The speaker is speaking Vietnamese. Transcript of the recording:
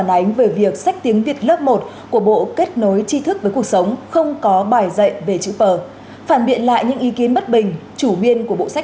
hãy đăng ký kênh để nhận thông tin nhất